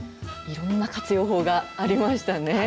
いろんな活用法がありましたね。